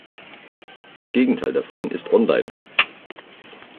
Das Gegenteil davon ist "online".